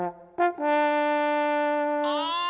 あ！